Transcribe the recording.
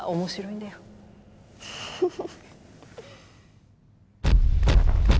フフフ。